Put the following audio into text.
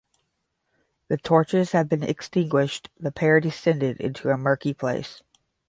The torches having been extinguished, the pair descended into a murky place.